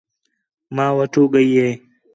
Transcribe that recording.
ماں وٹھو ڳئی ہِے